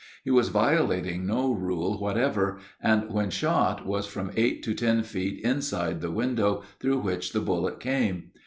He was violating no rule whatever, and when shot was from eight to ten feet inside the window through which the bullet came.